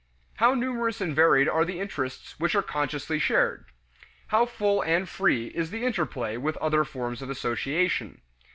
How numerous and varied are the interests which are consciously shared? How full and free is the interplay with other forms of association?